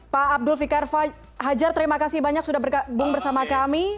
pak abdul fikar hajar terima kasih banyak sudah bergabung bersama kami